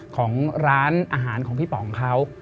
ของร้านอาหารของพี่ป๋องเขา